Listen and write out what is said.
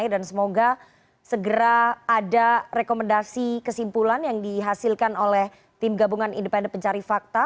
dan semoga segera ada rekomendasi kesimpulan yang dihasilkan oleh tim gabungan independen pencari fakta